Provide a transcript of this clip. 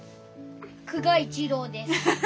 久我一郎です。